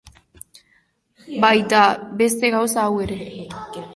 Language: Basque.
Baita. beste gauza hau ere.